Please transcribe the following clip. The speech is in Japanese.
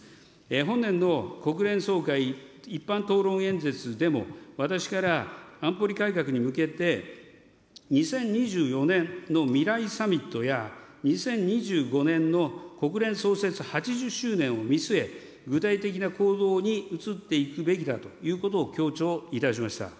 本年の国連総会一般討論演説でも、私から安保理改革に向けて、２０２４年の未来サミットや２０２５年の国連創設８０周年を見据え、具体的な行動に移っていくべきだと強調いたしました。